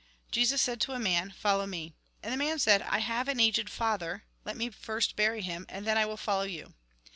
'' Jesus said to a man :" Follow me." And the man said :" I have an aged father, let me first bury him, and then I will follow you."